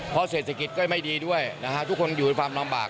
เพราะเศรษฐกิจก็ไม่ดีด้วยนะฮะทุกคนอยู่ในความลำบาก